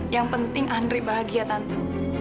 yang penting andri bahagia tante